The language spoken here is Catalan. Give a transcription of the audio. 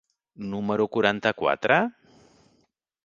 número quaranta-quatre?